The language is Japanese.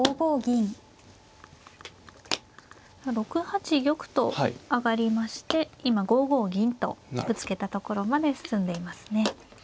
６八玉と上がりまして今５五銀とぶつけたところまで進んでいますね。